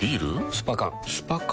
スパ缶スパ缶？